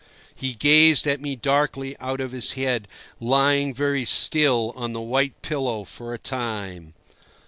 He gazed at me darkly out of his head, lying very still on the white pillow, for a time.